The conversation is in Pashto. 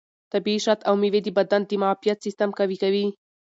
طبیعي شات او مېوې د بدن د معافیت سیستم قوي کوي.